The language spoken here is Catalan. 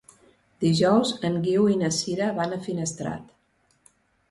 Dijous en Guiu i na Sira van a Finestrat.